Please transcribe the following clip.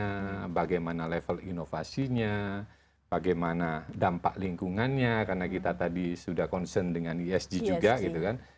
bagaimana level inovasinya bagaimana dampak lingkungannya karena kita tadi sudah concern dengan esg juga gitu kan